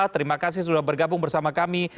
terima kasih sudah bergabung bersama kami